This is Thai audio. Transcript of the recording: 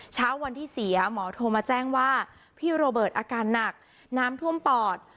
เช้าวันที่เสียหมอโทรมาแจ้งว่าพี่โรเบิร์ตอาการหนักน้ำท่วมปอด